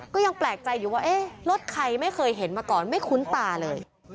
ก็ยังแปลกใจอยู่ว่าเอ๊ะรถใครไม่เคยเห็นมาก่อนไม่คุ้นตาเลย